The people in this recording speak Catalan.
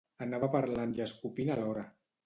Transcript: Anava parlant i escopint alhora